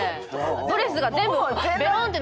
ドレスが全部べろんって。